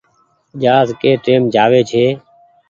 جهآز ڪي ٽيم جآوي ڇي۔